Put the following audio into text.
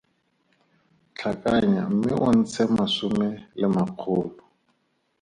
Tlhakanya mme o ntshe masome le makgolo.